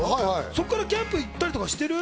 そこからキャンプ行ったりしてる？